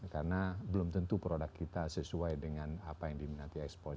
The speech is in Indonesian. karena belum tentu produk kita sesuai dengan apa yang diminati ekspor